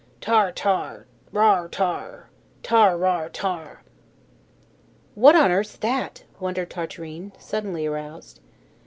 "Tar, tar, rar, tar! tar, rar, tar!" "What on earth's that?" wondered Tartarin, suddenly aroused.